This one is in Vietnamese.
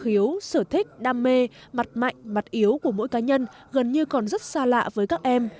hiếu sở thích đam mê mặt mạnh mặt yếu của mỗi cá nhân gần như còn rất xa lạ với các em